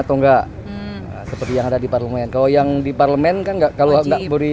atau enggak seperti yang ada di parlemen kalau yang di parlemen kan enggak kalau enggak beri